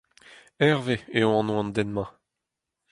Herve eo anv an den-mañ.